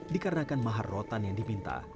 dikarenakan mahar rotan yang diminta